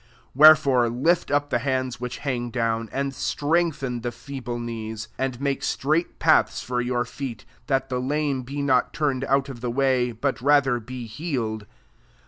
12 Wherkfors lift up the hands which hang down, and strengthen the feeble knees ; 13 and make straight^ paths fer your feet, that the lame be not turned out of the wiqr, birt rather be healed.